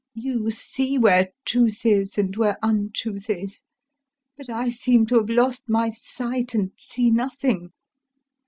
You see where truth is, and where untruth is, but I seem to have lost my sight and see nothing.